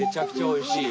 おいしい。